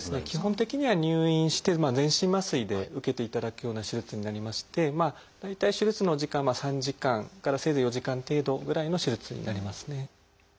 基本的には入院して全身麻酔で受けていただくような手術になりまして大体手術の時間は３時間からせいぜい４時間程度ぐらいの手術になりますね。